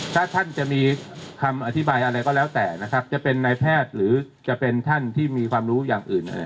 ถ้าท่านจะมีคำอธิบายอะไรก็แล้วแต่นะครับจะเป็นนายแพทย์หรือจะเป็นท่านที่มีความรู้อย่างอื่น